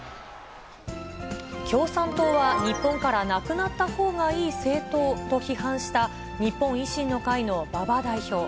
共産党は日本からなくなったほうがいい政党と批判した、日本維新の会の馬場代表。